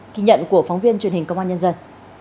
kỳ nhận của phóng viên truyền hình công an nhân dân